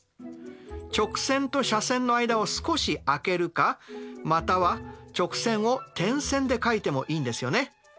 直線と斜線の間を少し空けるかまたは直線を点線で書いてもいいんですよね。